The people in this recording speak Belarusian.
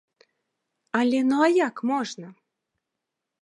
Але ну а як можна?